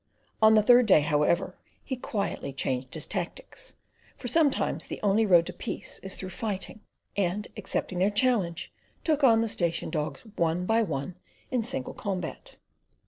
On the third day, however, he quietly changed his tactics—for sometimes the only road to peace is through fighting—and, accepting their challenge, took on the station dogs one by one in single combat.